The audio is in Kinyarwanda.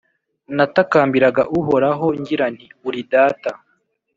Natakambiraga Uhoraho, ngira nti «Uri Data!